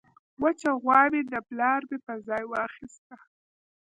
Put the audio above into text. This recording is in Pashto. وچه غوا مې د بلاربې په ځای واخیسته.